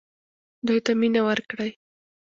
دوی ته مینه ورکړئ